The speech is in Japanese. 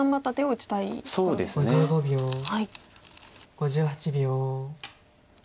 ５８秒。